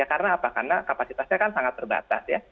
karena apa karena kapasitasnya kan sangat terbatas ya